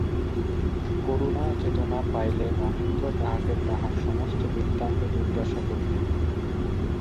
করুণা চেতনা পাইলে মহেন্দ্র তাহাকে তাঁহার সমস্ত বৃত্তান্ত জিজ্ঞাসা করিলেন।